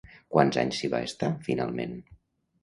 Quants anys s'hi va estar, finalment?